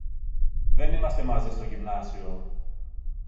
Δεν είμαστε μαζί στο Γυμνάσιο.